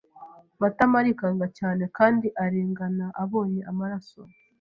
Matama arikanga cyane kandi arengana abonye amaraso.